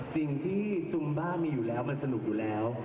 สิ่งที่ซุมบ้ามีอยู่แล้วมันสนุกอยู่แล้ว